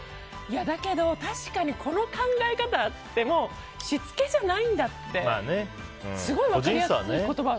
だけど確かにこの考え方ってしつけじゃないんだってすごい分かりやすい言葉。